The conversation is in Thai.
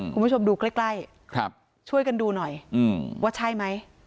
คุณผู้ชมดูใกล้ช่วยกันดูหน่อยว่าใช่ไหม